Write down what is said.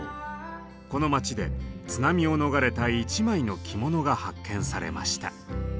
この町で津波を逃れた一枚の着物が発見されました。